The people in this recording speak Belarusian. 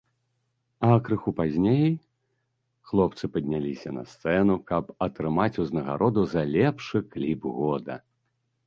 А крыху пазней хлопцы падняліся на сцэну, каб атрымаць узнагароду за лепшы кліп года.